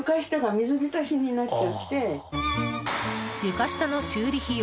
床下の修理費用